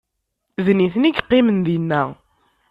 D nitni i yeqqimen dinna